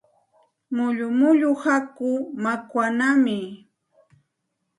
Mullu mullu hakuu makwanaami.